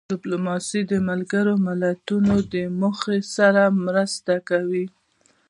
ډیپلوماسي د ملګرو ملتونو د موخو سره مرسته کوي.